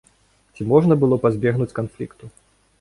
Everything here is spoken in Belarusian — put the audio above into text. Ці можна было пазбегнуць канфлікту?